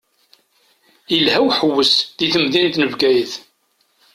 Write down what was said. Ilha uḥewwes di temdint n Bgayet.